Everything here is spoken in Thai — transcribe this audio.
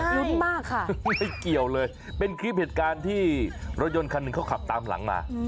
ลุ้นมากค่ะไม่เกี่ยวเลยเป็นคลิปเหตุการณ์ที่รถยนต์คันหนึ่งเขาขับตามหลังมา